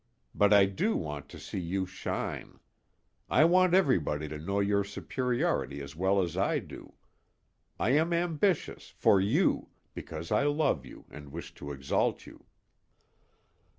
But I do want to see you shine. I want everybody to know your superiority as well as I do. I am ambitious for you, because I love you and wish to exalt you."